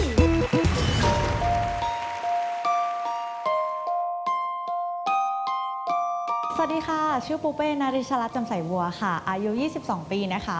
สวัสดีค่ะชื่อปูเป้นาริชลัดจำใส่วัวค่ะอายุ๒๒ปีนะคะ